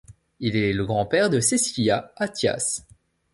Il est le grand-père de Cécilia Attias.